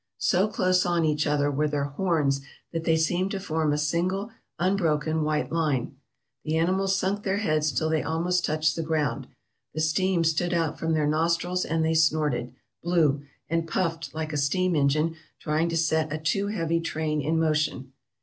So close on each other were their horns that they seemed to form a single, unbroken, white line. The animals sunk their heads till they almost touched the ground, the steam stood out from their nostrils, and they snorted, blew, and puffed like a steam engine trying to set a too heavy train in motion.